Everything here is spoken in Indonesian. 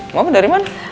mama dari mana